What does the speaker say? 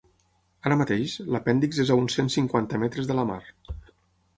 Ara mateix, l’apèndix és a uns cent cinquanta metres de la mar.